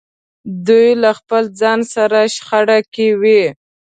دوی له خپل ځان سره شخړه کې وي.